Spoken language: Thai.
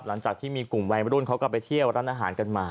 หลังจากที่มีกลุ่มวัยรุ่นเขาก็ไปเที่ยวร้านอาหารกันมา